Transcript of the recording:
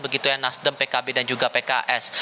begitunya nasdem pkb dan juga pks